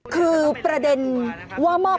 ก็ตอบได้คำเดียวนะครับ